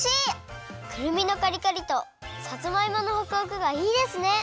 くるみのカリカリとさつまいものホクホクがいいですね！